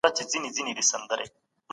د دغه کوچني دپاره مي نوې جامې رانیولې دي.